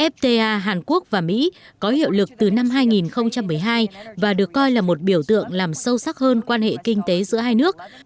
fta hàn quốc và mỹ có hiệu lực từ năm hai nghìn một mươi hai và được coi là một biểu tượng làm sâu sắc hơn quan hệ kinh tế giữa hai nước